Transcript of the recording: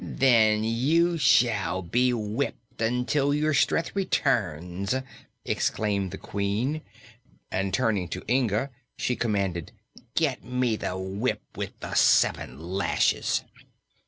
"Then you shall be whipped until your strength returns!" exclaimed the Queen, and turning to Inga, she commanded: "Get me the whip with the seven lashes."